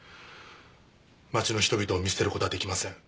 町の人々を見捨てる事はできません。